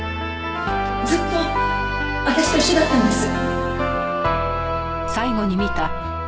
ずっと私と一緒だったんです。